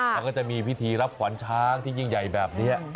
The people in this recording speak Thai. แล้วก็จะมีพิธีรับขวัญช้างที่ยิ่งใหญ่แบบนี้